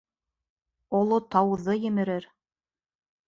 Оло тауҙы емерер!